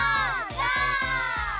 ゴー！